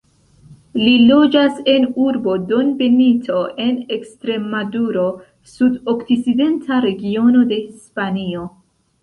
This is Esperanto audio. Li loĝas en urbo Don Benito en Ekstremaduro, sudokcidenta regiono de Hispanio.